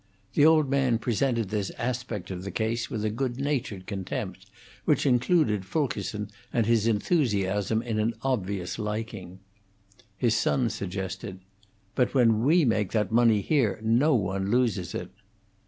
The old man presented this aspect of the case with a good natured contempt, which included Fulkerson and his enthusiasm in an obvious liking. His son suggested, "But when we make that money here, no one loses it."